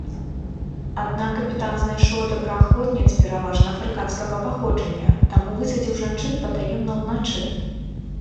Аднак капітан знайшоў добраахвотніц пераважна афрыканскага паходжання, таму высадзіў жанчын патаемна ўначы.